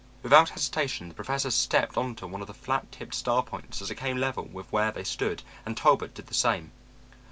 Without hesitation the Professor stepped onto one of the flat tipped star points as it came level with where they stood and Talbot did the same.